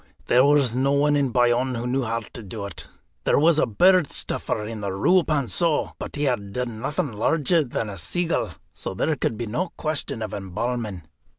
There was no one in Bayonne who knew how to do it. There was a bird stuffer in the Rue Pannceau, but he had done nothing larger than a seagull. So there could be no question of embalming.